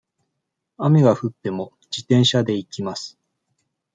雨が降っても、自転車で行きます。